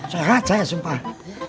sehat saya sumpah